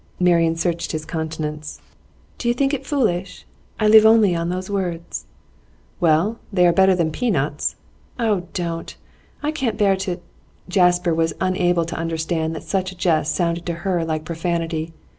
Marian searched his countenance. 'Do you think it foolish? I live only on those words.' 'Well, they are better than pea nuts.' 'Oh don't! I can't bear to ' Jasper was unable to understand that such a jest sounded to her like profanity.